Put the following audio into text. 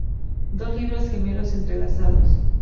Dos libros gemelos entrelazados.